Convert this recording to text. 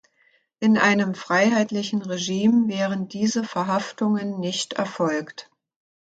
In einem freiheitlichen Regime wären diese Verhaftungen nicht erfolgt.